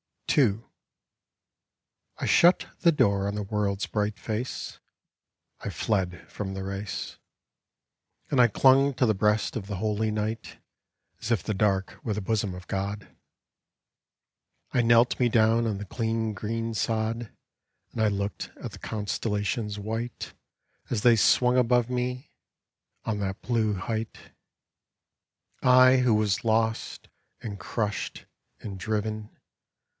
AERE PERENNIUS II I shut the door on the world's bright face ; I fled from the race, And I clung to the breast of the holy night, As if the dark were the bosom of God. I knelt me down on the clean green sod, And I looked at the constellations white As they swung above me, on that blue height; I who was lost, and crushed, and driven.